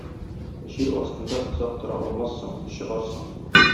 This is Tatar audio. Җир астында озак тора алмассың, чыгарсың.